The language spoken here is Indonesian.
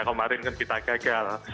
kemarin kan kita gagal